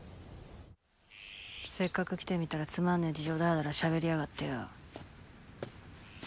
せっかく来てみたらつまんねぇ事情ダラダラしゃべりやがってよ。